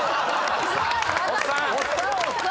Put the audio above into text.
おっさん！